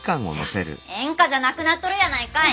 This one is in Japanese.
演歌じゃなくなっとるやないかい！